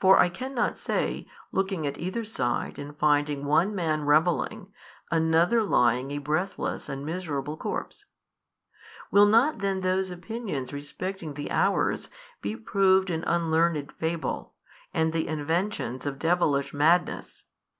for I cannot say, looking at either side and finding one man revelling, another lying a breathless and miserable corpse. Will not then those opinions respecting the hours be proved an unlearned fable, and the inventions of devilish madness?